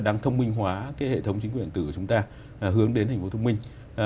đang thông minh hóa cái hệ thống chính quyền tử của chúng ta hướng đến thành phố thông minh